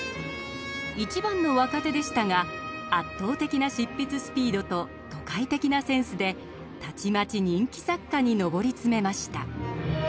一番の若手でしたが圧倒的な執筆スピードと都会的なセンスでたちまち人気作家に上り詰めました。